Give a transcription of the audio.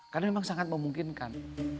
karena memang sangat memungkinkan